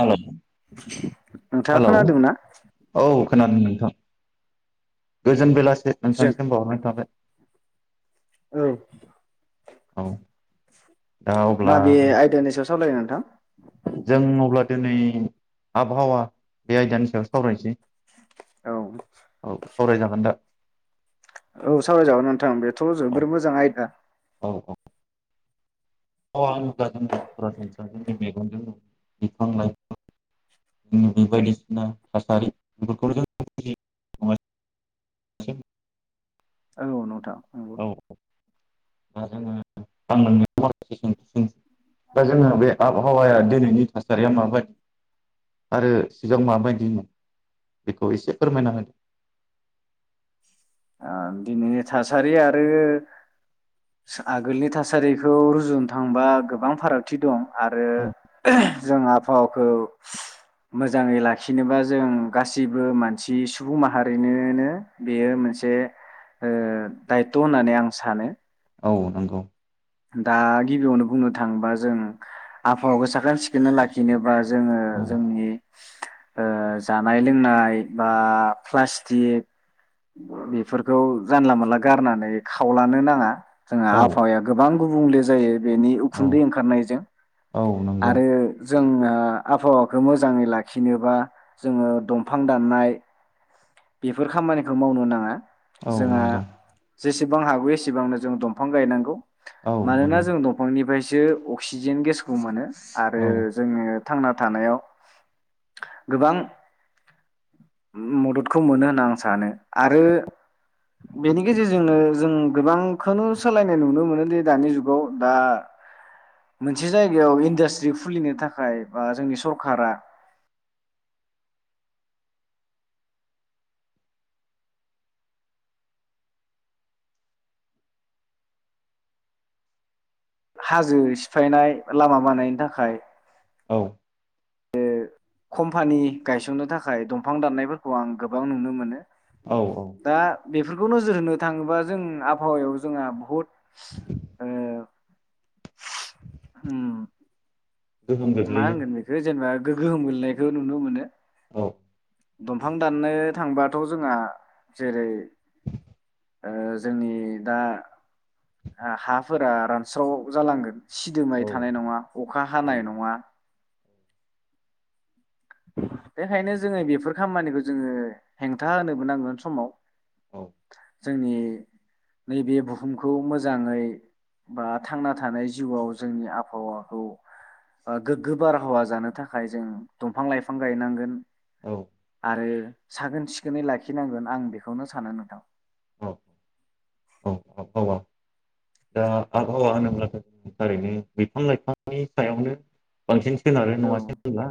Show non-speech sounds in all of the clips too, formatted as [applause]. Hello नोंथाङा hello खोनादोंना औ खोनादों नोंथां। गोजोन बेला से जों नोंथांनिसिम बावहरनाय थाबाय। औ औ दा अब्ला माबे आयदानि सायाव सावरायनो नोंथां? जों अब्ला दोनै आबहावा बे आयदानि सायाव सावरायनोसै। औ सावरायजागोन दा औ सावराय जागोन नोंथां बेथ' औ जोबोर मोजां आयदा। अ आं [unintelligible] जोङो सरासनस्रा जोंनि मेगनजों बिफां लाइफां बे बायदिसिना थासारि बेफोरखौ जों [unintelligible] औ नोंथां। नंगौ औ औ दा जोङो आं [unintelligible] दा जोङो बे आबहावाया दिनैनि थासारिया माबायदि आरो सिगां माबायदिमोन बेखौ एसे फोरमायना हो ओ दिनैनि थासारि आरो आगोलनि थासारिखौ रुजुनो थांबा गोबां फारागथि दं। आरो औ जों आबहावाखौ मोजाङै लाखिनोबा जों गासैबो मानसि सुबुं माहारिनोनो बेयो मोनसे से दायथ' होननानै आं सानो। औ नंगौ दा गिबियावनो बुंनो थाङोबा जों आबहावाखौ साखोन सिखोनै लाखिनो बा जोङो औ जोंनि ओ जानाय लोंनाय बा प्लास्टिक बेफोरखौ जानला मानला गारनानै खावलानो नाङा। जोंङा औ आबहावाया बां गुबुंले जायो। बेनि औ उखुन्दै ओंखारनायजों औ नंगौ आरो जोंङो आबहावाखौ मोजाङै लाखिनोबा जोङो दमफां दाननाय बेफोर खामानिखौ मावनो नाङा। औ जोंहा नंगौ जेसेबां हागौ एसेबांनो जों दमफां गायनांगौ। औ मानोना नंगौ जों दंफांनिफ्राय सो अक्सिजेन गेसखौ मोनो। आरो औ जोङो थांना थानायाव गोबां मददखौ मोनो होनना आं सानो आरो बेनि गेजेरजोंनो जों गोबांखौनो सोलायनाय नुनो मोनो। दानि जुगाव दा मोनसे जायगायाव इन्डास्ट्रि खुलिनो थाखाय बा जोंनि सरखारा हाजो सिफायनाय लामा बानायनो थाखाय औ कम्पानि गायसननो थाखाय दंफां दाननायफोरखौ आं गोबां नुनो मोनो। औ-औ दा बेफोरखौ नोजोर होनो थाङोबा जों आबहावायाव जोंहा बहुद ओ उम गोहोम मा गोग्लैयो होनगोन बेखौ जेनबा गो गोहोम गोलैनायखौ नुनो मोनो। औ दंफां दाननो थांबाथ' जोंहा जेरै ओ जोंनि दा हाफोरा रानस्राव जालांगोन सिदोमै औ थानाय नङा अखा औ हानाय नङा। बेखायनो जोङो बेफोर खामानिखौ जोङो हेंथा होनोबो नांगोन समाव औ जोंनि नैबे बुहुमखौ मोजाङै बा थांना थानाय जिउआव जोंनि आबहावाखौ गोग्गो बारहावा जानो थाखाय जों दंफां लाइफां गायनांगोन औ आरो साखोन सिखोनै लाखिनांगोन आं बेखौनो सानो नोंथां। औ औ आबहावा दा आबहावा होनोब्ला थारैनो बिफां लाइफांनि सायावनो बांसिन सोनारो औ नङासै होनब्ला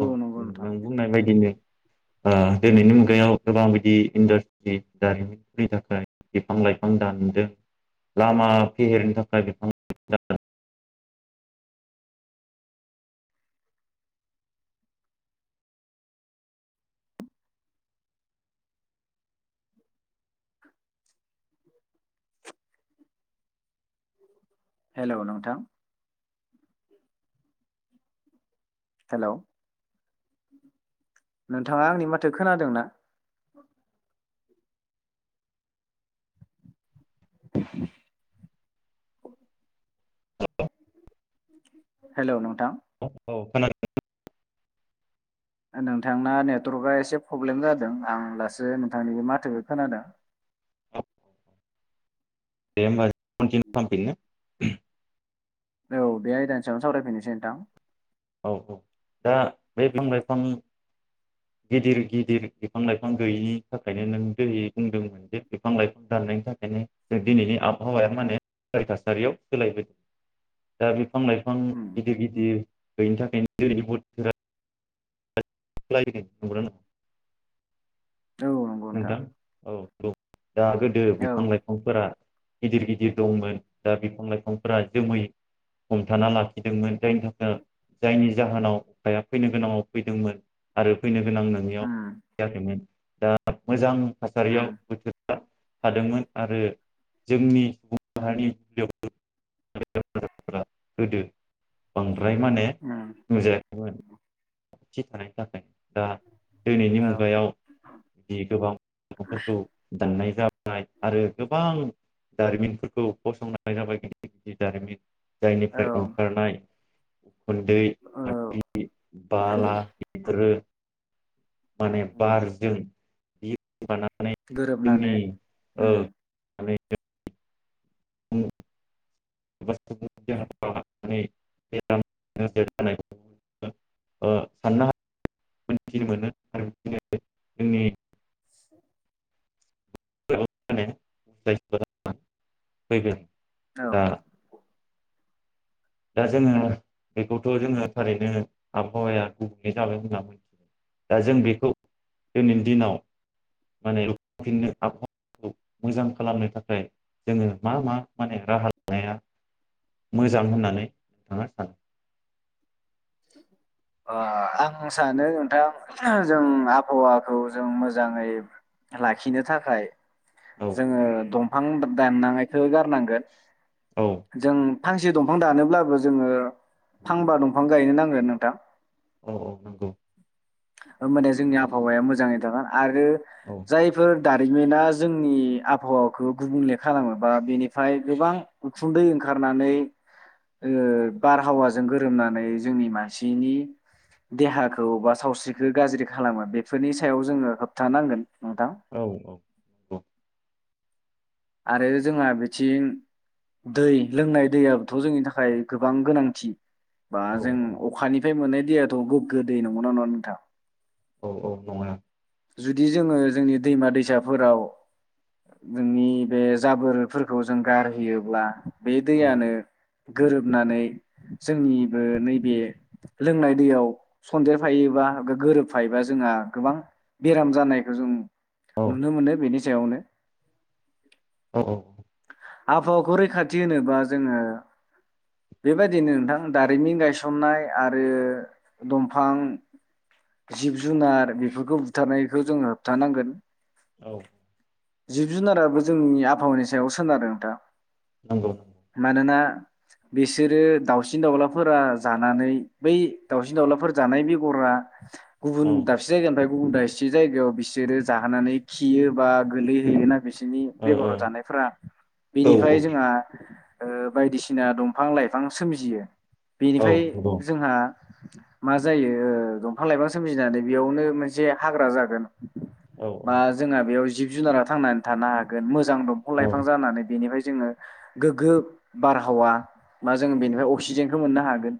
औ नंगौ नोंथां नों बुंनाय बायदिनो। आ दिनैनि मुगायाव गोबां बिदि इन्डास्ट्रि दारिमिननि थाखाय बिफां-लाइफां दानदों लामा फेहेरनो थाखाय बिफां - [inaudible] हेल' नोंथां हेल' नोंथाङा आंनि माथो खोनादोंना? [inaudible] हेल' नोंथा औ औ खोनादों ओ नोंथांना नेटवर्कआ एसे प्रब्लेम जादों आं दासो नोंथांनि बे माथो खोनादों । औ दे होमबा खनथिनिउ खालामफिननो । औ बे आयदानि सायावनो सावरायफिननोसै नोंथां । औ औ दा बे बिफां लाइफां गिदिर गिदिर बिफां लाइफां गैयिनि थाखायनो नों दै बुंदोंमोन जे बिफां औ औ दा बे बिफां लाइफां गिदिर गिदिर बिफां लाइफां गैयैनि थाखायनो नों जेरै बुंदों जे बिफां लाइफां दाननायनि थाखायनो दिनैनि आबहावाया माने बेबायदि थासारियाव सोलायबोदों दा बिफां लाइफां उम गिदिर गिदिर गैयैनि थाखायनो दिनैनि बोथोरा [unintelligible] औ नंगौ नोंथां औ औ दा गोदो औ बिफां लाइफांफोरा गिदिर गिदिर दंमोन दा बिफां लाइफांफोरा जोमै हमथाना लाखिदोंमोन जायनि थाखाय जायनि जाहोनाव अखाया फैनो गोनाङाव फैदोंमोन । आरो फैनो गोनां नोङियाव उम फैयाखैमोन । दा मोजां थासारियाव उम बोथोरा हादोंमोन आरो जोंनि सुबुं माहारि [inaudible] गोदो बां फ्राय माने उम बुंजाया माय जियानो जादोला। दिनैनि औ मुगायाव जि गोबांफोरखौ दाननाय जाबाय। आरो गोबां जारिमिनफोरखौ फसंनानै जाबाय। गिदिर गिदिर जारिमिन औ जायनिफ्राय ओंखारनाय औ। फन्दे औ बादि। [unintelligible] आरो माने उम बारजों। बारनानै जोंनि गोरोबनानै ओ उम [unintelligible] [unintelligible] ओ साननो हायो। मोनथिनो मोनो आरो बिदिनो जोंनि [inaudible] उम फैगोन [unintelligible] औ। दा दा जोङो बेखौथ' जोङो थारैनो आबहावाया गुबुंले जाबाय होनना मिथियो। दा जों बेखौ दिनैनि दिनाव माने लफिननो आबहावाखौ मोजां खालामनो थाखाय जोङो मा मा माने राहा लानाया मोजां होननानै नोंथाङा सानो? ओआ आं सानो नोंथां जों आबहावाखौ जों मोजाङै लाखिनो थाखाय औ जोङो दं दफां दानांनायखौ गार नांगोन। औ जों फांसे दंफां दानोब्लाबो जोङो फांबा दंफां गायनो नांगोन नोंथां। औ औ नंगौ। होनबाना जोंनि आबहावाया मोजाङै थागोन। आरो औ जायफोर दारिमिना जोंनि आबहावाखौ गुबुंले खालामोबा। बेनिफ्राय गोबां उखुन्दै ओंखारनानै ओ बारहावाजों गोरोमनानै जोंनि मानसिनि देहाखौ सावस्रिखौ गाज्रि खालामो बेफोरनि सायाव जोङो होबथानांगोन। नोंथां औ औ नंगौ। आरो जोंहा बिथिं दै लोंनाय दैआोथ' जोंनि थाखाय गोबां गोनांथि। बा औ जों अखानिफ्राय मोननाय दै दैयाथ' गोग्गो दै नंगौना नङा नोंथां? औ औ नङा। जुदि जोङो जोंनि दैमा दैसाफोराव जोंनि बे जाबोरफोरखौ जों गारहोयोब्ला। बे औ दैयानो। गोरोबनानै जोंनिबो नैबे लोंनाय दैयाव सन्देरफायोबा गोरोबफायोबा जोंहा गोबां । बेराम जानायखौ जों औ । नुनो मोनो बेनि सायावनो । औ औ आबहावाखौ रैखाथि होनोबा जोङो बेबायदिनो नोंथां दारिमिन गायसननाय आरो दंफां जिब जुनार बेफोरखौ होबथानायखौ जोंङो होबथानांगोन। औ जिब जुनाराबो जोंनि आबहावानि सायाव सोनारो नोंथा। नंगौ नंगौ मानोना बिसोरो दाउसिन दाउलाफोरा जानानै बै दाउसिन दाउलाफोर जानाय बेगरा । गुबुन औ दाबसे जायगानिफ्राय । गुबुन दा एसे जायगायाव बिसोरो जाहोनानै खियो बा गोलैहैयोना बिसिनि बेगराव जानायफ्रा ओ बिनिफ्राय जोंहा । ओ बायदिसिना दंफां लाइफां सोमजियो। बेनिफ्राय ओ जोंहा। मा जायो ओ दंफां लाइफां सोमजिनानै बेयावनो मोनसे । हाग्रा जागोन। औ नंगौ औ बा जोंहा बेयाव जि जुनारा थांनानै थानो हागोन मोजां । मोजां दंफां औ लाइफां जानानै बेनिफ्राय । जोङो गोग्गो बारहावा बा जों बेनिफ्राय अक्सिजेनखौ मोननो हागोन।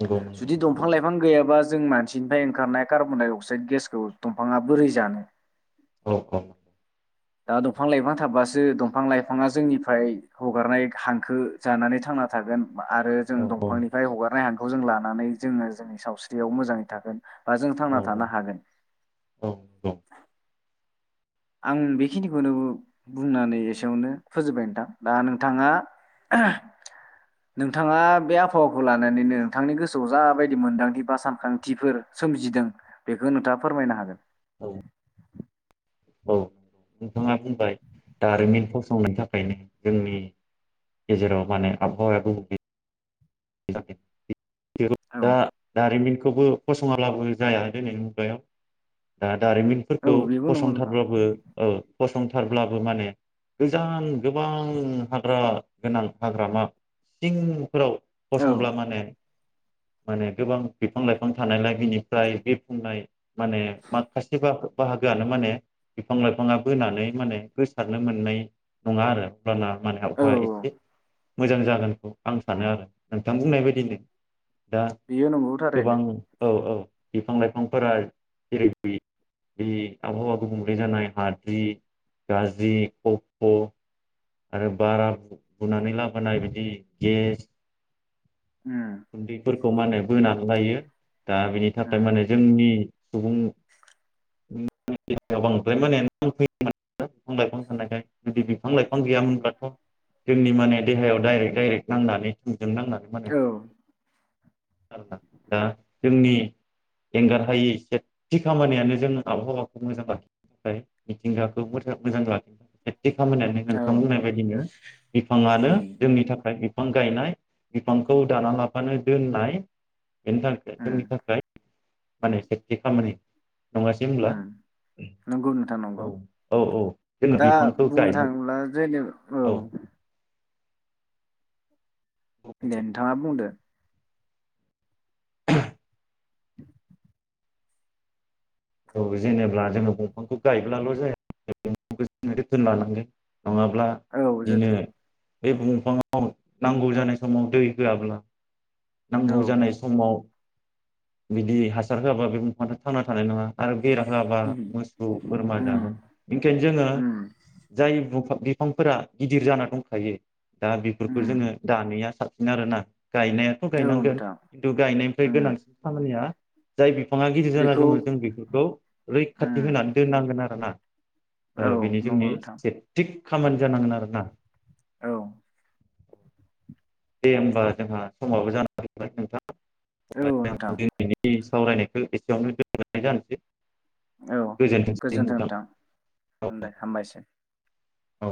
नंगौ नंगौ जुदि दंफां लाइफां गैयाबा जों मानसिनिफ्राय ओंखारनाय कार्बन डाइ अक्साइड गेस खौ दंफाङा बोरै जानो औ अ दा दंफां लाइफां थाबासो दंफां लाइफाङा जोंनिफ्राय हगारनाय हांखो जानानै थांना थागोन। आ आरो जों औ दंफांनिफ्राय हगारनाय हां खौ जों लानानै जोङो जोंनि सावस्रियाव मोजाङै थागोन। बा जों औ थांना थानो हागोन। औ अ आं बेखिनिखौनो बुंनानै एसेयावनो फोजोबबाय नोंथां दा नोंथाङा नोंथाङा बे आबहावाखौ लानानैनो नोंथांनि गोसोआव जाबायदि मोनदांथि बा सानखांथिफोर सोमजिदों बेखौ नोंथाङा फोरमायनो हागोन औ अ नोंथाङा बुंबाय दारिमिन फसंनायनि थाखायनो जोंनि गेजेराव माने आबहावाया गुबुंयै है थाखे है जेबो औ दा दारिमिन खौबो फसङाब्लाबो जाया दोनैनि मुगायाव दा दारिमिनफोरखौ औ बेबो नंगौ नोंथां फसंथारब्लाबो औ फसंथारब्लाबो माने गोजान गोबां हाग्रा गोनां हाग्रामा सिंफोराव औ फसंब्ला माने माने गोबां बिफां लाइफां थानायलाय बिनिफ्राय बिफुंनाय माने माखासे बाहागो बाहागोआनो माने बिफां लाइफाङा बोनानै माने गोसारनो मोननाय नङा आरो पोना मान औ हाबबाय एसे मोजां जागोनखौ आं सानो आरो नोंथां बुंनाय बायदिनो दा बेयो नंगौ थारैनो गोबां औ औ बिफां लाइफांफोरा जेरैबि बे आबहावा गुबुंले जानाय हाद्रि गाज्रि खफ' आरो बारा बुनानै लाबोनाय बिदि गेस उम गुन्दैफोरखौ माने बोनानै लायो । दा बिनि थाखाय उम माने जोंनि सुबुं [unintelligible] बांद्राय माने नांफैयोमोन बिफां लाइफां थानायखाय जुदि बिफां लाइफां गैयामोनब्लाथ' जोंनि माने देहायाव डाइरेक्ट डाइरेक्ट नांनानै थ जों नांनानै माने औ थारबा दा जोंनि एंगारहायि सेथि खामानियानो जों आबहावाखौ मोजां लाखिनो थाखाय मिथिंगाखौ मोजां मोजां लाखिनो थाखाय एखे खामानियानो औ नोंथां बुंनाय बायदिनो बिफाङानो उम जोंनि थाखाय फां गायनाय बिफांखौ दाना लाब बानो दोननाय बेनि थाखाय जोंनि उम थाखाय माने सेबटि खामानि। नङासै होमब्ला उम नंगौ नोंथां नंगौ औ औ औ जोङो दा बिफांखौ बुंनो गायो थाङोब्ला जेनेबा औ दे नोंथाङा बुंदो औ जेनेब्ला जोङो दंफांखौ गायब्लाल' जाया जोथोन लानांगोन [unintelligible] नङाब्ला औ बिदिनो जोथोन बे दंफाङाव नांगौ जानाय समाव दै औ नांगौ जानाय समाव बिदि हासार होआबा बे बिफाङाथ' थांना थानाय नङा आरो बेरा होआबा उम मोसौ बोरमा उम जागोन बेनिखायनो जोङो उम जाय बिफांफोरा गिदिर जाना दंखायो दा बेफोरखौ उम जोङो दानिया सा आरोना गायनायाथ' औ गायनांगोन नोंथां खिन्थु गायनायनिफ्राय उम गोनांसिन या जाय बिफां बिफाङा गिदिर जाना बेखौ दंमोन जों बेफोरखौ उम रैखाथि होनानै दोननांगोन आरोना औ बेनि जोंनि नंगौ नोंथां से थिग खामानि जानांगोन आरोना औ दे होमबा जोंहा समाबो जानानै फैबाय नोंथां। औ नोंथां जों बिनि सावरायनायखौ एसेयावनो दोननाय जानोसै। औ गोजोनथोंसै गोजोन्थों नोंथां औ नोंथां दे हामबायसै। औ।